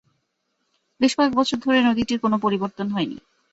বেশ কয়েক বছর ধরে নদীটির কোনো পরিবর্তন হয়নি।